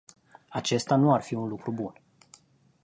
Acesta nu ar fi un lucru bun.